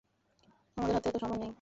আমাদের হাতে এতো সময় নেই!